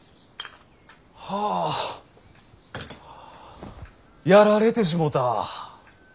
はぁやられてしもた！